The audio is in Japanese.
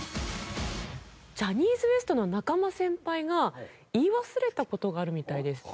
ジャニーズＷＥＳＴの中間先輩が言い忘れた事があるみたいです。